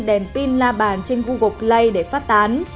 đèn pin na bàn trên google play để phát tán